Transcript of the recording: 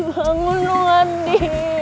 ardi bangun dong ardi